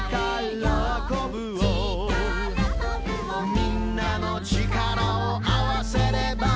「みんなの力をあわせれば」